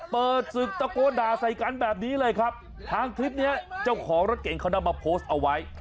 เปิดศึกตะโกนด่าใส่กันแบบนี้เลยครับทางคลิปนี้เจ้าของรถเก่งเขานำมาโพสต์เอาไว้